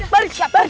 bari siap bari